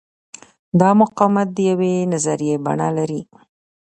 دا مقاومت د یوې نظریې بڼه لري.